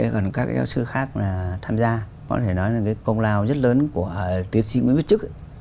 còn các giáo sư khác là tham gia có thể nói là cái công lao rất lớn của tiến sĩ nguyễn viết trức